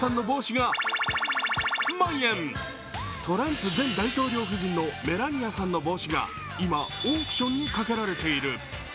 トランプ前大統領夫人のメラニアさんの帽子が今、オークションにかけられている。